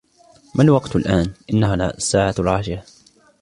" ما الوقت الآن ؟"-" إنها الساعة العاشرة ".